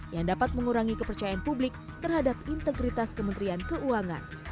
yang dapat mengurangi kepercayaan publik terhadap integritas kementerian keuangan